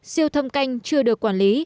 siêu thâm canh chưa được quản lý